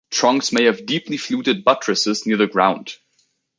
Trunks may have deeply fluted buttresses near the ground.